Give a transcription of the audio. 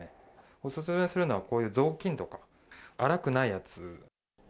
お勧めするのは、こういう雑巾とか、粗くないやつ。